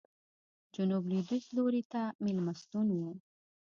جنوب لوېدیځ لوري ته مېلمستون و.